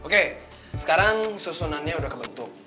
oke sekarang susunannya udah kebentuk